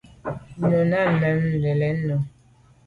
Nu i làn me lèn o.